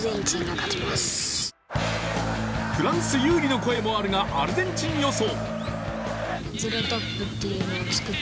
フランス有利の声もあるが、アルゼンチン予想。